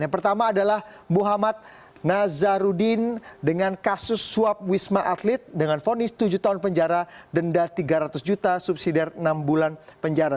yang pertama adalah muhammad nazarudin dengan kasus suap wisma atlet dengan fonis tujuh tahun penjara denda tiga ratus juta subsidi dari enam bulan penjara